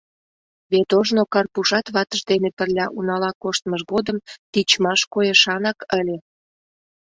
Вет ожно Карпушат ватыж дене пырля унала коштмыж годым тичмаш койышанак ыле.